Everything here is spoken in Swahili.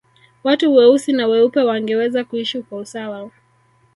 watu weusi na weupe wangeweza kuishi kwa usawa